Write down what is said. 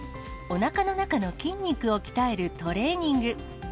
おなかの中の筋肉を鍛えるトレーニング。